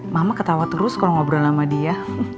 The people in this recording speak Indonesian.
mama ketawa terus kalau ngobrol sama dia